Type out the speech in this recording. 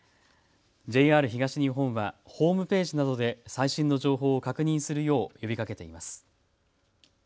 ＪＲ東日本はホームページなどで最新の情報を確認するよう呼びかけています。